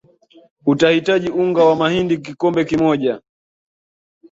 utahitaji Unga wa mahindi kikombe moja